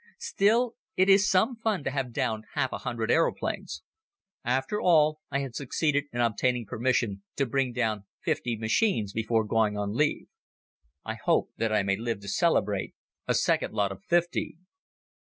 Still, it is some fun to have downed half a hundred aeroplanes. After all, I had succeeded in obtaining permission to bring down fifty machines before going on leave. I hope that I may live to celebrate a second lot of fifty.